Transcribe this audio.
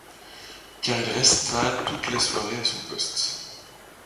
Car il resta toute la soirée à son poste.